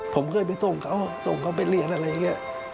ผมเคยไปส่งเขาส่งเขาไปเรียนอะไรอย่างนี้